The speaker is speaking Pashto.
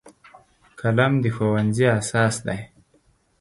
قلم د ښوونځي اساس دی